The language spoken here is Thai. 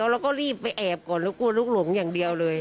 เราก็รีบไปแอบก่อนแล้วกลัวลุกหลงอย่างเดียวเลย